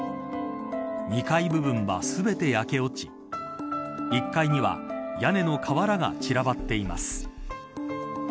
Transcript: ２階部分は全て焼け落ち１階には屋根の瓦が散らばっています。